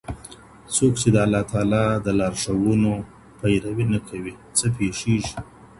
څوک چي د الله تعالی د لارښوونو پيروي نه کوي، څه پيښيږي؟